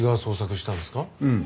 うん。